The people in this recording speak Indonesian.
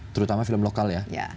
terutama film lokal ya